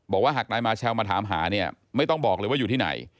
บอกว่าหากนายมาเชลมาถามหาเนี่ยไม่ต้องบอกเลยว่าอยู่ที่ไหน